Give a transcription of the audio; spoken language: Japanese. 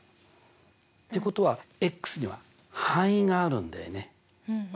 ってことはには範囲があるんだよね。